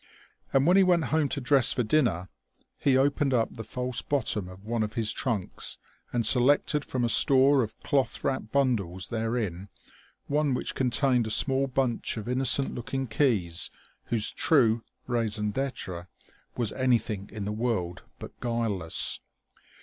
And when he went home to dress for dinner, he opened up the false bottom of one of his trunks and selected from a store of cloth wrapped bundles therein one which contained a small bunch of innocent looking keys whose true raison d'être was anything in the world but guileless.